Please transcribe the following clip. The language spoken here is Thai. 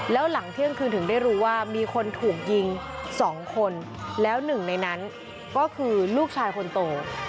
แล้วหลังเที่ยงคืนถึงได้รู้ว่ามีคนถูกยิง๒คนแล้วหนึ่งในนั้นก็คือลูกชายคนโต